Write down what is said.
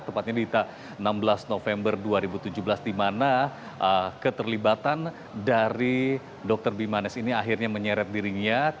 tepatnya di enam belas november dua ribu tujuh belas di mana keterlibatan dari dr bimanes ini akhirnya menyeret dirinya